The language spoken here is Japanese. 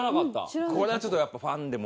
これはちょっとファンでも。